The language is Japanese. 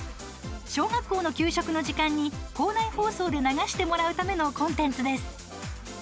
小学校の給食の時間に校内放送で流してもらうためのコンテンツです。